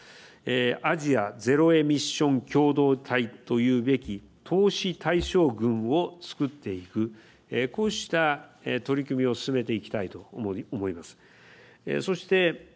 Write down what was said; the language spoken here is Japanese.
アジア・ゼロエミッション共同体というべき投資対象群を作っていくこうした取り組みを進めていきたいと思います。